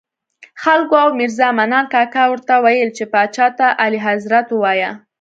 خلکو او میرزا منان کاکا ورته ویل چې پاچا ته اعلیحضرت ووایه.